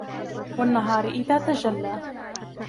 وَالنَّهارِ إِذا تَجَلّى